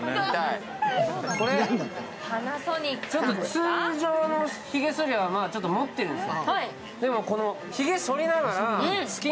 通常のひげそりは持ってるんです。